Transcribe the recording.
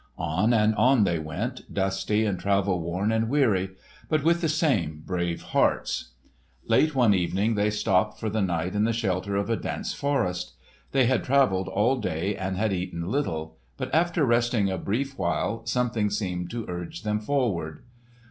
On and on they went, dusty and travel worn and weary, but with the same brave hearts. Late one evening they stopped for the night in the shelter of a dense forest. They had travelled all day and had eaten little, but after resting a brief while something seemed to urge them forward.